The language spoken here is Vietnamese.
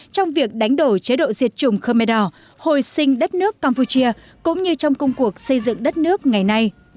trong việc đánh đổ chế độ diệt chủng khmer đỏ hồi sinh đất nước campuchia cũng như trong công cuộc xây dựng đất nước ngày nay